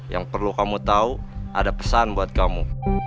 yang perlu kamu tahu ada pesan buat kamu